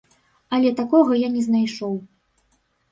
Але такога я не знайшоў.